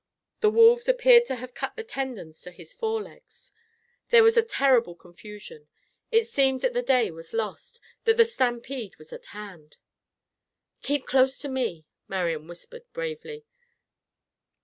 The wolves appeared to have cut the tendons to his forelegs. There was terrible confusion. It seemed that the day was lost, that the stampede was at hand. "Keep close to me," Marian whispered bravely.